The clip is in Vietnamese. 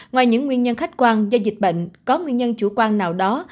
ngoài những nguyên nhân khách quan do dịch bệnh có nguyên nhân chủ quan nào đó